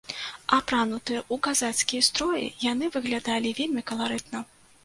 Апранутыя ў казацкія строі, яны выглядалі вельмі каларытна.